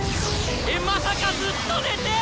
えっまさかずっと寝て！